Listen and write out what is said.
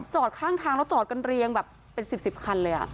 จอดข้างทางแล้วจอดกันเรียงแบบเป็น๑๐คันเลย